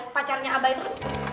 pacarnya abah itu